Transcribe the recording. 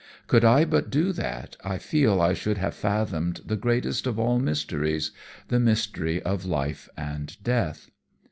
Could I but do that, I feel I should have fathomed the greatest of all mysteries the mystery of life and death.